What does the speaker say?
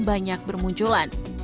keberadaan becak bermunculan